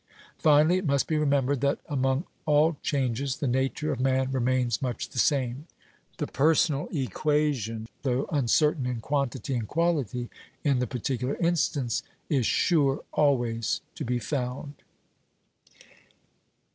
Finally, it must be remembered that, among all changes, the nature of man remains much the same; the personal equation, though uncertain in quantity and quality in the particular instance, is sure always to be found.